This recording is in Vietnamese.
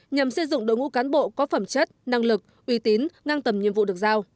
nhằm xây dựng đội ngũ cán bộ có phẩm chất năng lực uy tín ngang tầm nhiệm vụ được giao